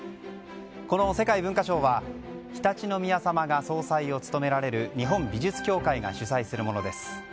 この世界文化賞は常陸宮さまが総裁を務められる日本美術協会が主催するものです。